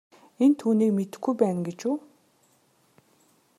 Энэ түүнийг мэдэхгүй байна гэж үү.